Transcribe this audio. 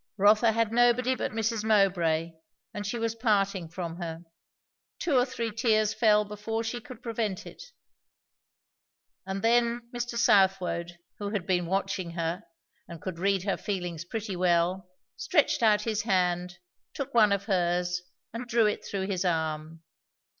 Rotha had nobody but Mrs. Mowbray, and she was parting from her. Two or three tears fell before she could prevent it. And then Mr. Southwode, who had been watching her, and could read her feelings pretty well, stretched out his hand, took one of hers and drew it through his arm.